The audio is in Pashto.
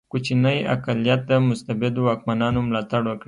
کوچنی اقلیت د مستبدو واکمنانو ملاتړ وکړي.